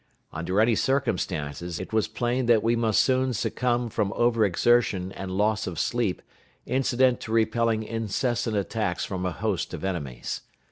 Under any circumstances, it was plain that we must soon succumb from over exertion and loss of sleep incident to repelling incessant attacks from a host of enemies.